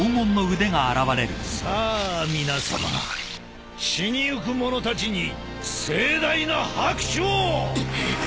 さあ皆さま死にゆく者たちに盛大な拍手を！